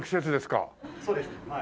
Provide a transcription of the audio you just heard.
そうですはい。